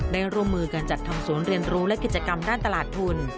ร่วมมือกันจัดทำศูนย์เรียนรู้และกิจกรรมด้านตลาดทุน